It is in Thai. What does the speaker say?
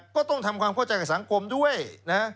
ก็ต้องทำความเข้าใจกับสังคมด้วยนะ